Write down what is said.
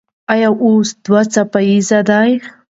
ایا اوس دوه څپیزه ده؟